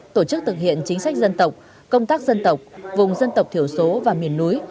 tổ chức thực hiện chính sách dân tộc công tác dân tộc vùng dân tộc thiểu số và miền núi